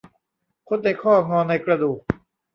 คดในข้องอในกระดูก